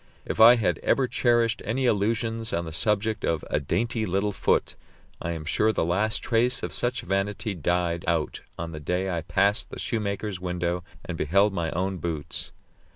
If I had ever cherished any illusions on the subject of "a dainty little foot," I am sure the last trace of such vanity died out on the day I passed the shoemaker's window and beheld my own boots.